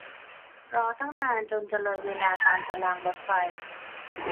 รอตั้งนานจนจะเลยเวลาตามตารรางรถไฟ